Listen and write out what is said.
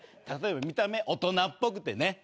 例えば見た目大人っぽくてね。